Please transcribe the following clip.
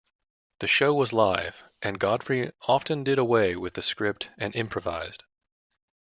The show was live, and Godfrey often did away with the script and improvised.